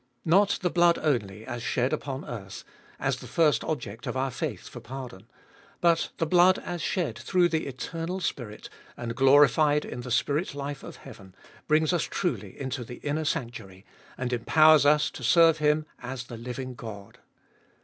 Not the blood only, as shed upon earth, as the first object of our faith for pardon, but the blood as shed through the Eternal Spirit, and glorified in the spirit life of heaven, brings us truly into the inner sanctuary, and empowers us to serve Him as the living God.